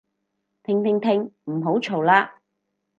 停停停唔好嘈喇